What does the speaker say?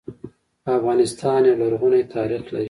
افغانستان يو لرغونی تاريخ لري